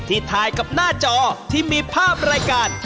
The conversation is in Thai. ถ่ายกับหน้าจอที่มีภาพรายการ